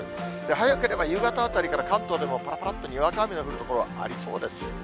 早ければ夕方あたりから、関東でもぱらぱらっとにわか雨の降る所ありそうです。